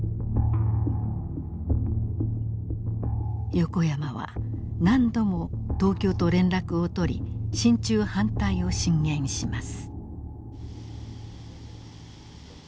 横山は何度も東京と連絡を取り進駐反対を進言します。